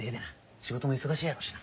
仕事も忙しいやろうしな。